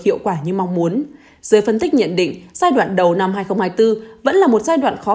hiệu quả như mong muốn giới phân tích nhận định giai đoạn đầu năm hai nghìn hai mươi bốn vẫn là một giai đoạn khó